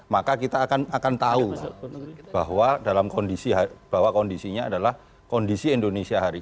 maka kita akan tahu bahwa dalam kondisi bahwa kondisinya adalah kondisi indonesia hari ini